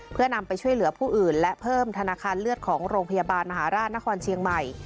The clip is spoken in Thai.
เพื่อนำไปช่วยเหลือผู้อื่นและเพิ่มธนาคารเลือดของโรงพยาบาลมหาราชนครเชียงใหม่